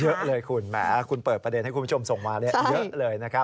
แหมคุณเปิดประเด็นให้คุณผู้ชมส่งมาเยอะเลยนะครับ